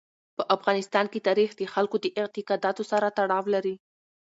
په افغانستان کې تاریخ د خلکو د اعتقاداتو سره تړاو لري.